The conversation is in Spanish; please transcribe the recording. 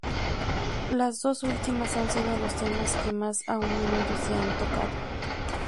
Las dos últimas han sido los temas que más a menudo se han tocado.